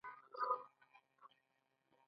د روژې مبارکې میاشتې ته اویا ورځې پاتې دي.